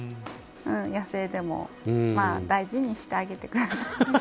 野生でも大事にしてあげてください。